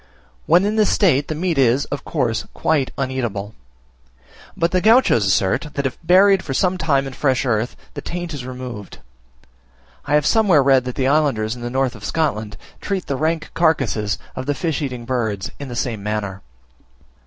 When in this state the meat is, of course, quite uneatable; but the Gauchos assert, that if buried for some time in fresh earth, the taint is removed. I have somewhere read that the islanders in the north of Scotland treat the rank carcasses of the fish eating birds in the same manner.